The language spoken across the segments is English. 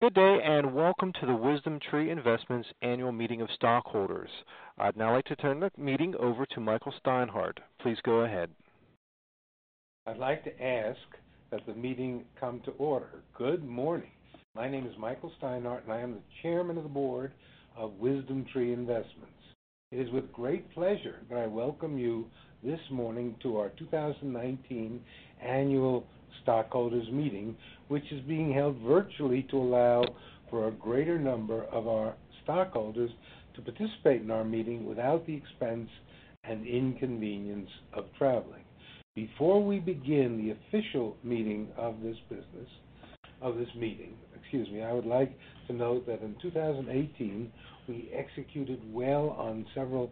Good day, and welcome to the WisdomTree Investments Annual Meeting of Stockholders. I'd now like to turn the meeting over to Michael Steinhardt. Please go ahead. I'd like to ask that the meeting come to order. Good morning. My name is Michael Steinhardt, and I am the Chairman of the Board of WisdomTree Investments. It is with great pleasure that I welcome you this morning to our 2019 annual stockholders meeting, which is being held virtually to allow for a greater number of our stockholders to participate in our meeting without the expense and inconvenience of traveling. Before we begin the official business of this meeting, excuse me. I would like to note that in 2018, we executed well on several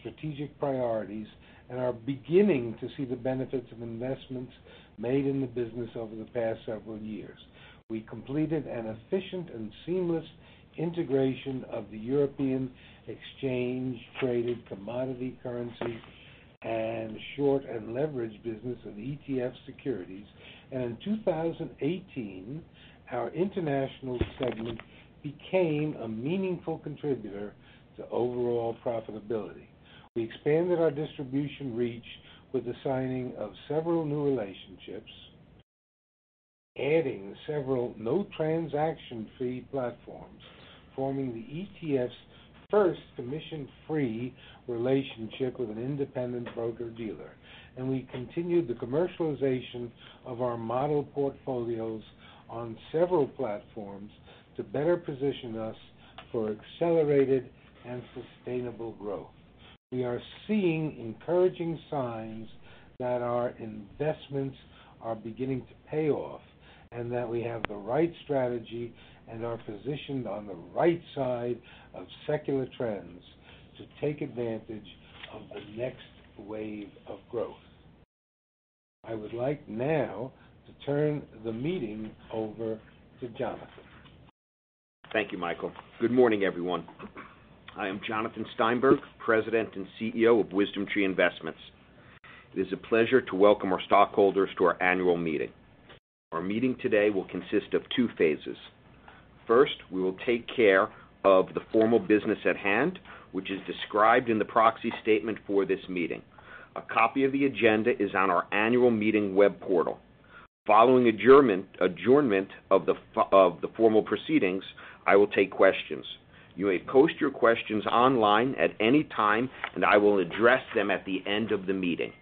strategic priorities and are beginning to see the benefits of investments made in the business over the past several years. We completed an efficient and seamless integration of the European exchange traded commodity currency, and short and leveraged business of ETF Securities. In 2018, our international segment became a meaningful contributor to overall profitability. We expanded our distribution reach with the signing of several new relationships, adding several no transaction fee platforms, forming the ETF's first commission-free relationship with an independent broker-dealer. We continued the commercialization of our model portfolios on several platforms to better position us for accelerated and sustainable growth. We are seeing encouraging signs that our investments are beginning to pay off, and that we have the right strategy and are positioned on the right side of secular trends to take advantage of the next wave of growth. I would like now to turn the meeting over to Jonathan. Thank you, Michael. Good morning, everyone. I am Jonathan Steinberg, President and CEO of WisdomTree Investments. It is a pleasure to welcome our stockholders to our annual meeting. Our meeting today will consist of two phases. First, we will take care of the formal business at hand, which is described in the proxy statement for this meeting. A copy of the agenda is on our annual meeting web portal. Following adjournment of the formal proceedings, I will take questions. You may post your questions online at any time, and I will address them at the end of the meeting.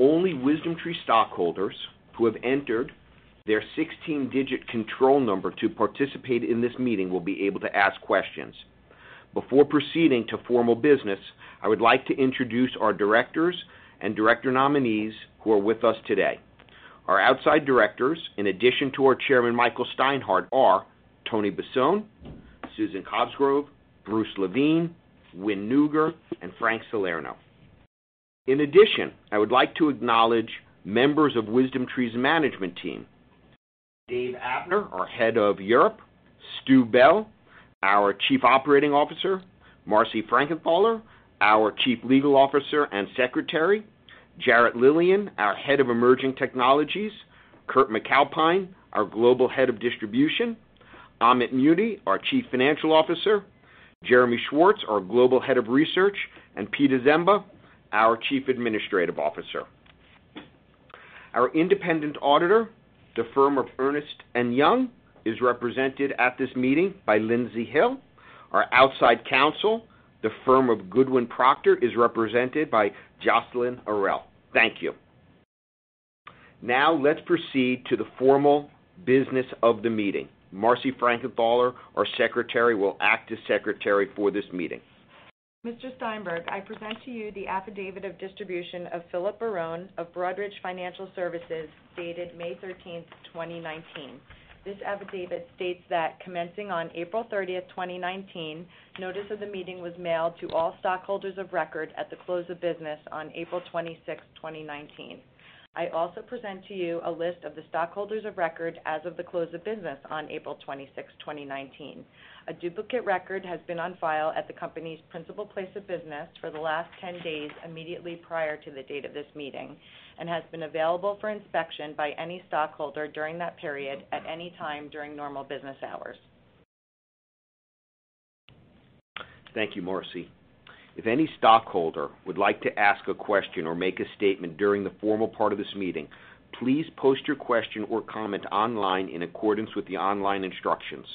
Only WisdomTree stockholders who have entered their 16-digit control number to participate in this meeting will be able to ask questions. Before proceeding to formal business, I would like to introduce our directors and director nominees who are with us today. Our outside directors, in addition to our Chairman, Michael Steinhardt, are Tony Bossone, Susan Cosgrove, Bruce Lavine, Win Neuger, and Frank Salerno. In addition, I would like to acknowledge members of WisdomTree's management team. Dave Abner, our Head of Europe, Stu Bell, our Chief Operating Officer, Marci Frankenthaler, our Chief Legal Officer and Secretary, Jarrett Lilien, our Head of Emerging Technologies, Kurt MacAlpine, our Global Head of Distribution, Amit Muni, our Chief Financial Officer, Jeremy Schwartz, our Global Head of Research, and Pete Ziemba, our Chief Administrative Officer. Our independent auditor, the firm of Ernst & Young, is represented at this meeting by Lindsay Hill. Our outside counsel, the firm of Goodwin Procter, is represented by Jocelyn Arel. Thank you. Let's proceed to the formal business of the meeting. Marci Frankenthaler, our Secretary, will act as Secretary for this meeting. Mr. Steinberg, I present to you the affidavit of distribution of Philip Barone of Broadridge Financial Services, dated May 13th, 2019. This affidavit states that commencing on April 30th, 2019, notice of the meeting was mailed to all stockholders of record at the close of business on April 26th, 2019. I also present to you a list of the stockholders of record as of the close of business on April 26th, 2019. A duplicate record has been on file at the company's principal place of business for the last 10 days immediately prior to the date of this meeting and has been available for inspection by any stockholder during that period at any time during normal business hours. Thank you, Marci. If any stockholder would like to ask a question or make a statement during the formal part of this meeting, please post your question or comment online in accordance with the online instructions.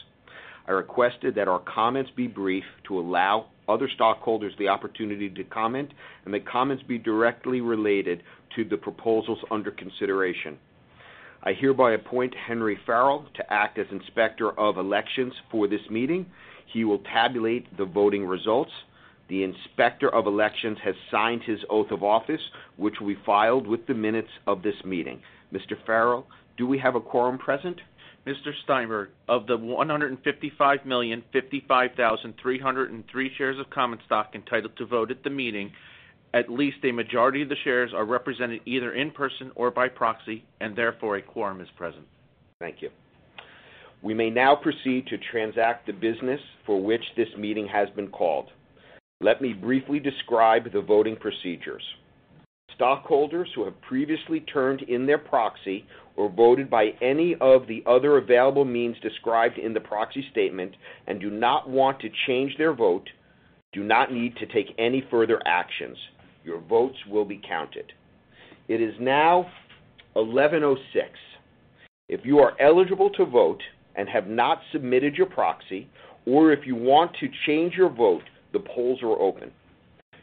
I requested that our comments be brief to allow other stockholders the opportunity to comment, and that comments be directly related to the proposals under consideration. I hereby appoint Henry Farrell to act as Inspector of Elections for this meeting. He will tabulate the voting results. The Inspector of Elections has signed his oath of office, which we filed with the minutes of this meeting. Mr. Farrell, do we have a quorum present? Mr. Steinberg, of the 155,055,303 shares of common stock entitled to vote at the meeting, at least a majority of the shares are represented either in person or by proxy, and therefore, a quorum is present. Thank you. We may now proceed to transact the business for which this meeting has been called. Let me briefly describe the voting procedures. Stockholders who have previously turned in their proxy or voted by any of the other available means described in the proxy statement and do not want to change their vote, do not need to take any further actions. Your votes will be counted. It is now 11:06 A.M. If you are eligible to vote and have not submitted your proxy, or if you want to change your vote, the polls are open.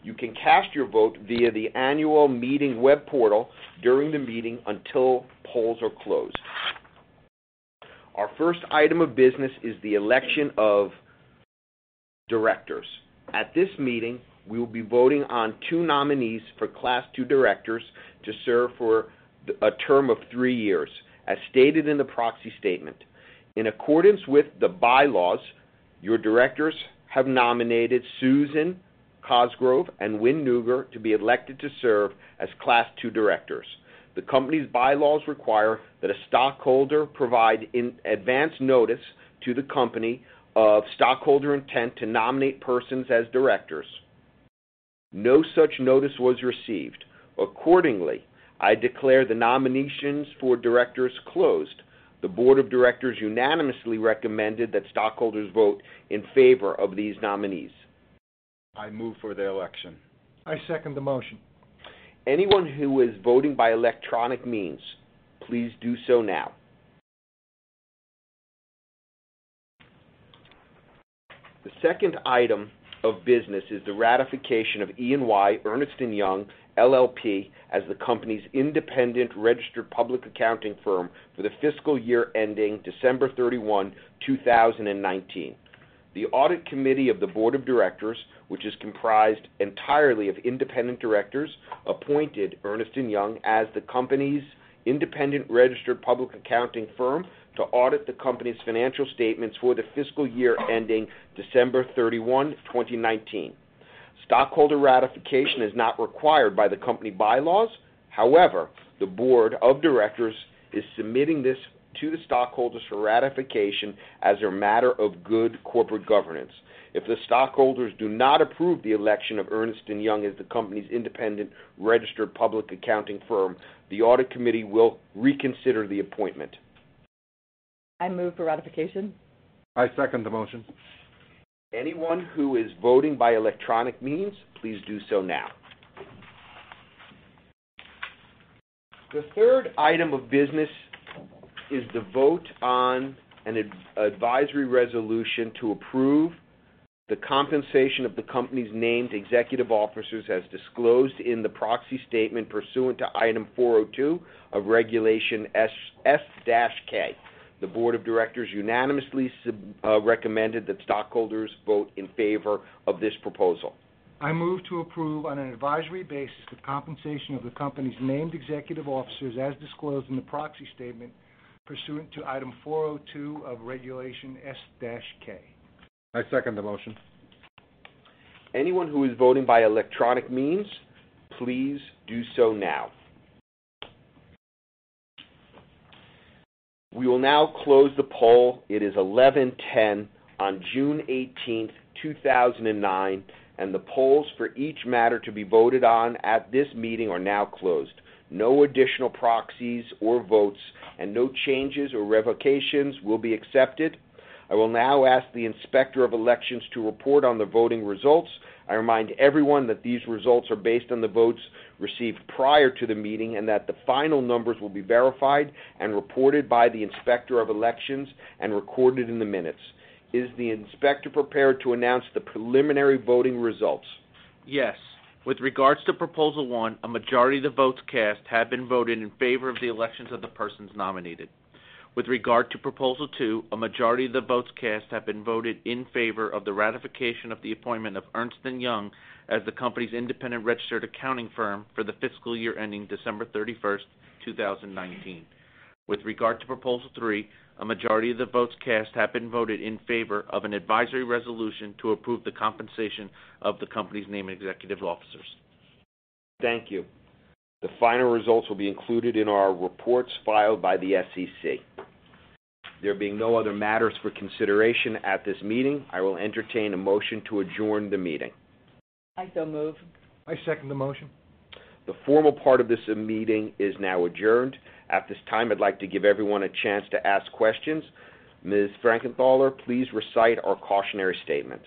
You can cast your vote via the annual meeting web portal during the meeting until polls are closed. Our first item of business is the election of directors. At this meeting, we will be voting on two nominees for Class 2 directors to serve for a term of three years, as stated in the proxy statement. In accordance with the bylaws, your directors have nominated Susan Cosgrove and Win Neuger to be elected to serve as Class 2 directors. The company's bylaws require that a stockholder provide advanced notice to the company of stockholder intent to nominate persons as directors. No such notice was received. Accordingly, I declare the nominations for directors closed. The board of directors unanimously recommended that stockholders vote in favor of these nominees. I move for the election. I second the motion. Anyone who is voting by electronic means, please do so now. The second item of business is the ratification of E&Y, Ernst & Young LLP, as the company's independent registered public accounting firm for the fiscal year ending December 31, 2019. The audit committee of the board of directors, which is comprised entirely of independent directors, appointed Ernst & Young as the company's independent registered public accounting firm to audit the company's financial statements for the fiscal year ending December 31, 2019. Stockholder ratification is not required by the company bylaws. However, the board of directors is submitting this to the stockholders for ratification as a matter of good corporate governance. If the stockholders do not approve the election of Ernst & Young as the company's independent registered public accounting firm, the audit committee will reconsider the appointment. I move for ratification. I second the motion. Anyone who is voting by electronic means, please do so now. The third item of business is the vote on an advisory resolution to approve the compensation of the company's named executive officers as disclosed in the proxy statement pursuant to Item 402 of Regulation S-K. The board of directors unanimously recommended that stockholders vote in favor of this proposal. I move to approve on an advisory basis the compensation of the company's named executive officers as disclosed in the proxy statement pursuant to Item 402 of Regulation S-K. I second the motion. Anyone who is voting by electronic means, please do so now. We will now close the poll. It is 11:10 on June 18, 2019, and the polls for each matter to be voted on at this meeting are now closed. No additional proxies or votes and no changes or revocations will be accepted. I will now ask the Inspector of Elections to report on the voting results. I remind everyone that these results are based on the votes received prior to the meeting, and that the final numbers will be verified and reported by the Inspector of Elections and recorded in the minutes. Is the Inspector prepared to announce the preliminary voting results? Yes. With regards to Proposal 1, a majority of the votes cast have been voted in favor of the elections of the persons nominated. With regard to Proposal 2, a majority of the votes cast have been voted in favor of the ratification of the appointment of Ernst & Young as the company's independent registered accounting firm for the fiscal year ending December 31, 2019. With regard to Proposal 3, a majority of the votes cast have been voted in favor of an advisory resolution to approve the compensation of the company's named executive officers. Thank you. The final results will be included in our reports filed by the SEC. There being no other matters for consideration at this meeting, I will entertain a motion to adjourn the meeting. I so move. I second the motion. The formal part of this meeting is now adjourned. At this time, I'd like to give everyone a chance to ask questions. Ms. Frankenthaler, please recite our cautionary statement.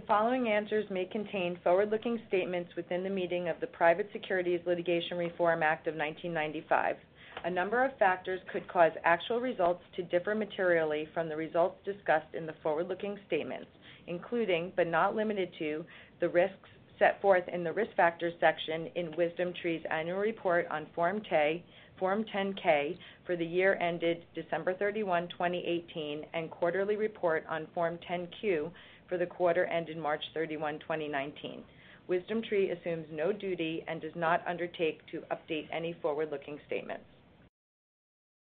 The following answers may contain forward-looking statements within the meaning of the Private Securities Litigation Reform Act of 1995. A number of factors could cause actual results to differ materially from the results discussed in the forward-looking statements, including, but not limited to, the risks set forth in the Risk Factors section in WisdomTree's annual report on Form 10-K for the year ended December 31, 2018, and quarterly report on Form 10-Q for the quarter ended March 31, 2019. WisdomTree assumes no duty and does not undertake to update any forward-looking statements.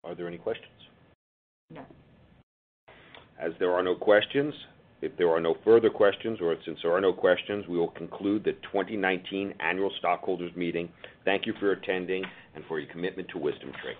Are there any questions? No. As there are no questions, if there are no further questions, or since there are no questions, we will conclude the 2019 annual stockholders meeting. Thank you for attending and for your commitment to WisdomTree.